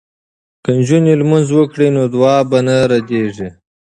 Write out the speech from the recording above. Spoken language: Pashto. که نجونې لمونځ وکړي نو دعا به نه ردیږي.